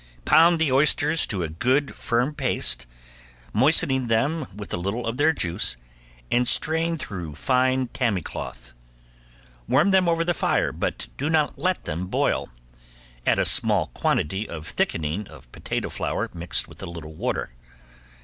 Pound the oysters to a good firm paste, moistening them with a little of their juice, and strain through fine tammy cloth. Warm them over the fire, but do not let them boil; add a small quantity of thickening of potato flour mixed with a little water.